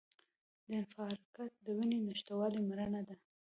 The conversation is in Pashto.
د انفارکټ د وینې نشتوالي مړینه ده.